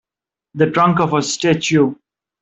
The trunk of a statue.